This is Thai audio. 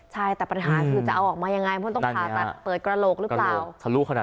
ใช่แต่ปัญหาคือจะเอาออกมายังไงเพราะต้องผ่าตัดเปิดกระโหลกหรือเปล่า